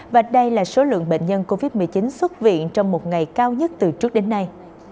và đây là số lượng bệnh nhân covid một mươi chín xuất viện trong một ngày cao nhất từ trước đến nay